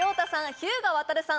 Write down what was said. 日向亘さん